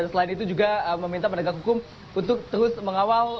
selain itu juga meminta penegak hukum untuk terus mengawal